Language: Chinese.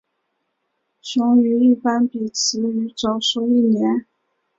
雄鱼一般比雌鱼早熟一年。